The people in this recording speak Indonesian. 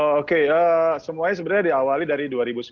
oke semuanya sebenarnya diawali dari dua ribu sembilan belas